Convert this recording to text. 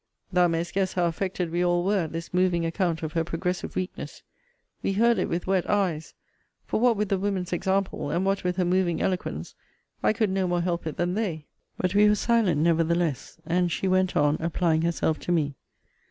Thou mayest guess how affected we all were at this moving account of her progressive weakness. We heard it with wet eyes; for what with the women's example, and what with her moving eloquence, I could no more help it than they. But we were silent nevertheless; and she went on applying herself to me.